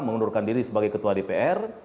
mengundurkan diri sebagai ketua dpr